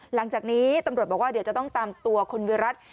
หลังจากนี้ตำรวจบอกว่าเดี๋ยวจะต้องตามตัวคุณวิรัติ